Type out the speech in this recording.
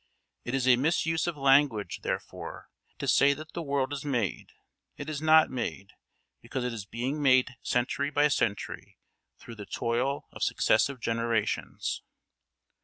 It is a misuse of language, therefore, to say that the world is made; it is not made, because it is being made century by century through the toil of successive generations.